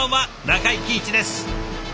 中井貴一です。